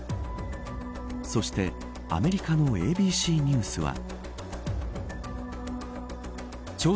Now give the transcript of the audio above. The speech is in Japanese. そしてアメリカのＡＢＣニュースは。